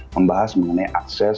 membahas mengenai aksi